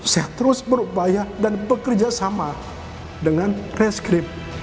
saya terus berupaya dan bekerja sama dengan reskrip